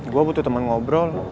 gue butuh temen ngobrol